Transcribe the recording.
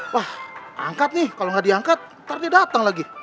wah angkat nih kalo ga diangkat ntar dia dateng lagi